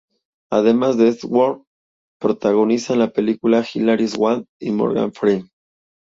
Además de Eastwood, protagonizan la película Hilary Swank y Morgan Freeman.